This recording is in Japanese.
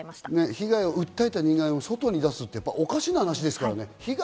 被害を訴えた人間を外に出すのはおかしいですからね。